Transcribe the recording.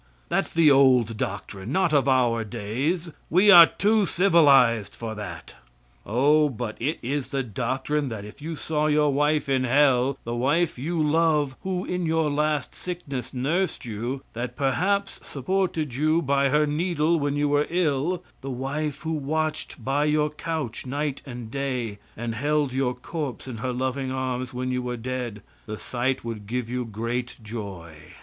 That's the old doctrine not of our days; we are too civilized for that. O, but it is the doctrine that if you saw your wife in hell the wife you love, who, in your last sickness, nursed you, that, perhaps supported you by her needle when you were ill; the wife who watched by your couch night and day, and held your corpse in her loving arms when you were dead the sight would give you great joy.